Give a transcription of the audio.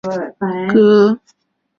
该党的总部位于芝加哥。